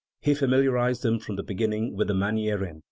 He familiarised them from the beginning with the "manieren", i.